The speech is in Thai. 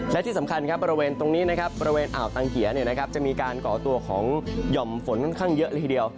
และที่สำคัญครับบริเวณตรงนี้นะครับบริเวณอ่าวตังเกียจะมีการก่อตัวของหย่อมฝนค่อนข้างเยอะเลยทีเดียว